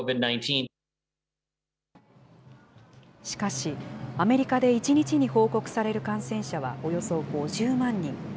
しかし、アメリカで１日に報告される感染者はおよそ５０万人。